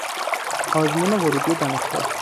آزمون ورودی دانشگاه